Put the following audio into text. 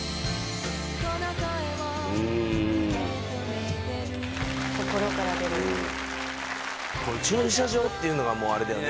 うーん心から出るこの駐車場っていうのがもうあれだよね